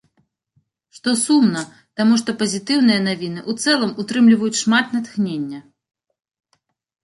Што сумна, таму што пазітыўныя навіны ў цэлым утрымліваюць шмат натхнення.